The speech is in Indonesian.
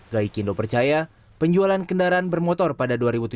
gaikindo percaya penjualan kendaraan bermotor pada dua ribu tujuh belas